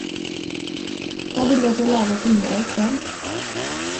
Vad vill du att jag lagar till middag i kväll?